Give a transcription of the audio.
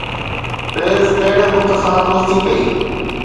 فيض ڪهڙي بت سان دوستي ڪئي؟